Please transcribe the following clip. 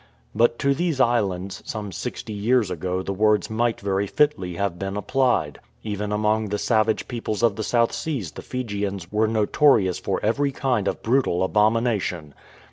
But to these islands some sixty years ago the words might very fitly have been applied. Even among the savage peoples of the South Seas the Fijians were notorious for every kind of brutal abomination.